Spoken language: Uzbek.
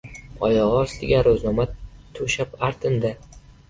Oyog‘i ostiga ro‘znoma to‘shab artindi.